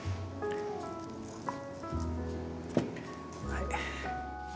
はい。